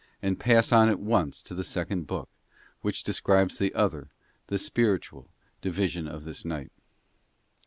and pass on at once to the second book, which describes the other, the spiritual, division of this night.